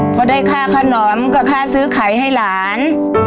พอได้ค่าขนมก็ค่าซื้อขายให้หลาน